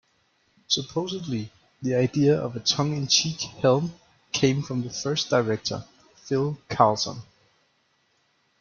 Supposedly, the idea of a tongue-in-cheek Helm came from the first director, Phil Karlson.